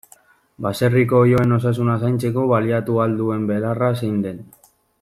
Baserriko oiloen osasuna zaintzeko baliatu ahal duen belarra zein den.